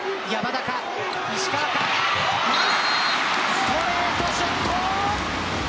ストレートショット。